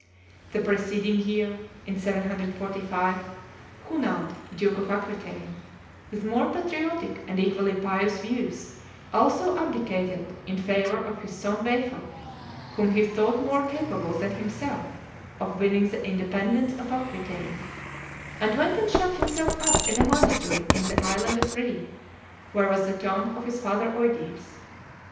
The preceding year, in 745, Hunald, Duke of Aquitaine, with more patriotic and equally pious views, also abdicated in favor of his son Waifre, whom he thought more capable than himself of winning the independence of Aquitaine, and went and shut himself up in a monastery in the island of Rhe, where was the tomb of his father Eudes.